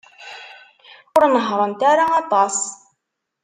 Ur nehhṛent ara aṭas.